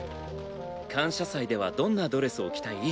感謝祭ではどんなドレスを着たい？